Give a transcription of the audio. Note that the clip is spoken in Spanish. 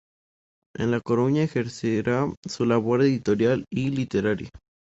En la Coruña ejercerá su labor editorial y literaria.